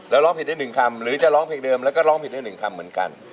แล้วร้องผิดได้๑คำหรือจะร้องเพลงเดิมแล้วก็ร้องผิดได้๑คำเหมือนกัน